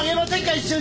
一緒に！